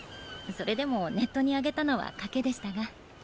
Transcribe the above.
それでもネットに上げたのは賭けでしたが。